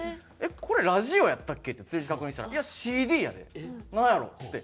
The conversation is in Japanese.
「これラジオやったっけ？」って数字確認したら「いやＣＤやで」。「なんやろ？」っつって。